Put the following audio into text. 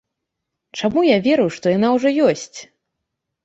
Чаму я веру, што яна ўжо ёсць?